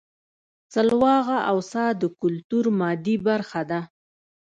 سلواغه او څا د کولتور مادي برخه ده